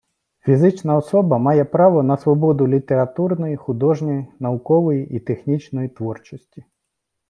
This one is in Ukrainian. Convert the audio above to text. Фізична особа має право на свободу літературної, художньої, наукової і технічної творчості.